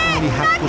kakek tolong aku kek